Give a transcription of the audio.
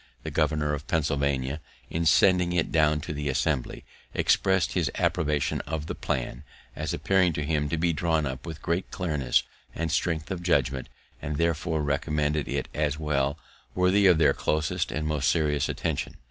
The Governor of Pennsylvania, in sending it down to the Assembly, expressed his approbation of the plan, "as appearing to him to be drawn up with great clearness and strength of judgment, and therefore recommended it as well worthy of their closest and most serious attention."